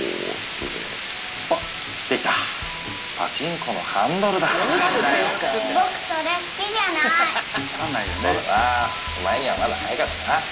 そうだなお前にはまだ早かったな。